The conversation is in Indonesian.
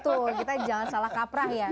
betul kita jangan salah kaprah ya